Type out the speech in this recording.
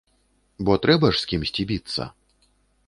Бо трэба ж з кімсьці біцца.